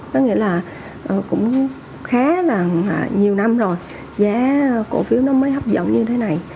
có nghĩa là cũng khá là nhiều năm rồi giá cổ phiếu nó mới hấp dẫn như thế này